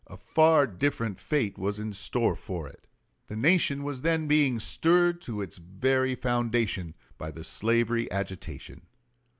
A far different fate was in store for it. The nation was then being stirred to its very foundation by the slavery agitation.